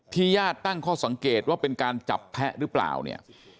ญาติตั้งข้อสังเกตว่าเป็นการจับแพะหรือเปล่าเนี่ย